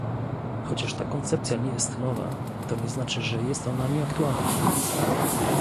Chociaż ta koncepcja nie jest nowa, to nie znaczy, że jest ona nieaktualna